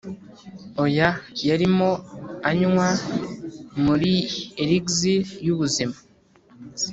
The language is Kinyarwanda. oya; yarimo anywa muri elixir yubuzima